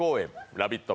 「ラヴィット！